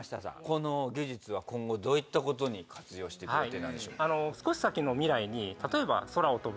この技術は今後どういったことに活用していく予定なんでしょうか